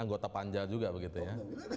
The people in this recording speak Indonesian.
anggota panja juga begitu ya